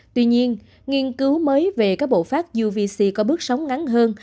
tuy nhiên nghiên cứu mới về các bộ phát uvc có bước sóng ngắn hơn